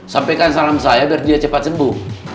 sampaikan salam saya biar dia cepat sembuh